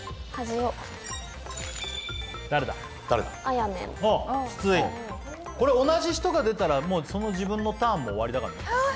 お筒井これ同じ人が出たら自分のターンも終わりだからね。